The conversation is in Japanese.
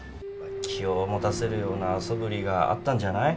気を持たせるようなそぶりがあったんじゃない？